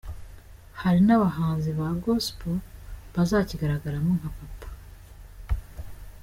Hari n'abahanzi ba gospel bazakigaragaramo nka Papa.